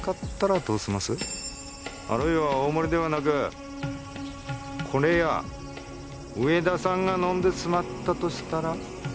あるいは大森ではなくこれや上田さんが飲んでしまったとしたら？